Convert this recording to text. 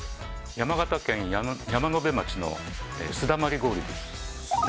山形県山辺町のすだまり氷です。